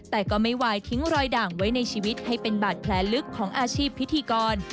แต่ก็ไม่วายทิ้งรอยด่างไว้ในชีวิตให้เป็นบาดแผลลึกของอาชีพพิธีกร